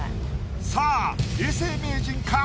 さぁ永世名人か？